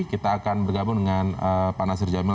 kita akan bergabung dengan pak nasir jamil